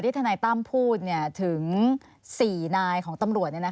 ทนายตั้มพูดถึง๔นายของตำรวจ